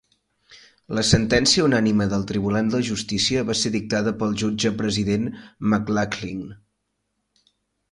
La sentència unànime del Tribunal de Justícia va ser dictada pel jutge president McLachlin.